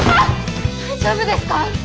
大丈夫ですか？